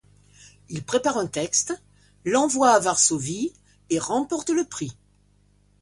Il prépare un texte, l'envoie à Varsovie, et remporte le prix.